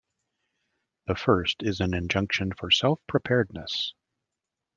The first is an injunction for self-preparedness.